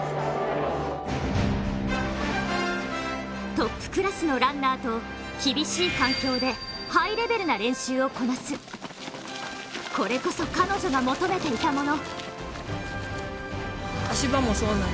トップクラスのランナーと厳しい環境でハイレベルな練習をこなす、これこそ彼女が求めていたもの。